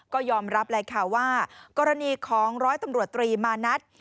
ก็ยอมรับเลยค่ะว่ากรณีของร้อยตำรวจตรีมานัด